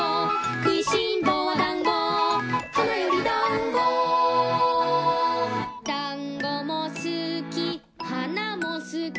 「くいしんぼはだんご」「花よりだんご」「だんごも好き花も好き」